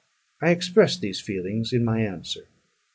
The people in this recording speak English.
I expressed these feelings in my answer.